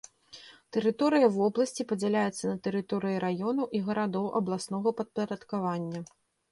Тэрыторыя вобласці падзяляецца на тэрыторыі раёнаў і гарадоў абласнога падпарадкавання.